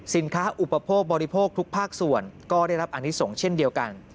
สินค้าอุปโภคบริโภคทุกภาคส่วนก็ได้รับอันที่ส่งเช่นเดียวกัน